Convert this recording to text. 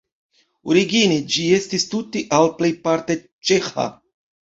Origine ĝi estis tute aŭ plejparte ĉeĥa.